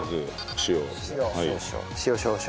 塩少々。